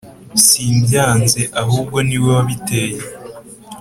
simbyanze ahobwo niwe wabiteye